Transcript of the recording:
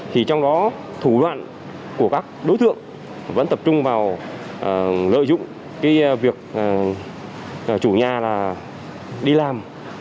thì trong đó thủ đoạn của các đối tượng vẫn tập trung vào lợi dụng cái việc chủ nhà đi làm